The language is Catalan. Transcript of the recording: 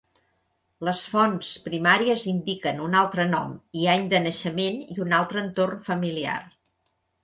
Les fonts primàries indiquen un altre nom i any de naixement i un altre entorn familiar.